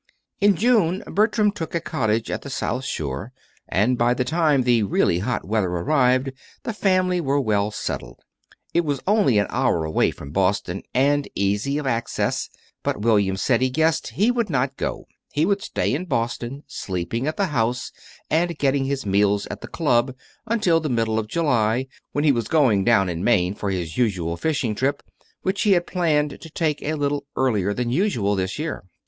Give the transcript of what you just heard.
In June Bertram took a cottage at the South Shore, and by the time the really hot weather arrived the family were well settled. It was only an hour away from Boston, and easy of access, but William said he guessed he would not go; he would stay in Boston, sleeping at the house, and getting his meals at the club, until the middle of July, when he was going down in Maine for his usual fishing trip, which he had planned to take a little earlier than usual this year.